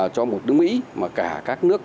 cho một nước mỹ mà cả các nước